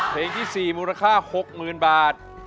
เพลงที่๔มูลค่า๖๐๐๐บาท